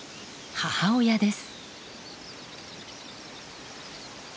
母親です。